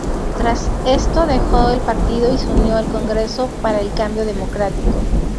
Tras esto dejó el partido y se unió al Congreso para el Cambio Democrático.